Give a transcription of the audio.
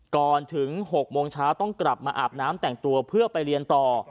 ก่อนถึง๖โมงเช้าต้องกลับมาอาบน้ำแต่งตัวเพื่อไปเรียนต่อ